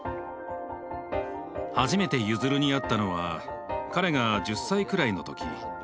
初めてユヅルに会ったのは彼が１０歳くらいの時。